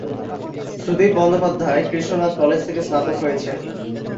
Sudip Bandyopadhyay Krishnanath college থেকে স্নাতক হয়েছেন।